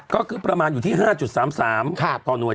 ก็คือประมาณอยู่ที่๕๓๓ต่อหน่วย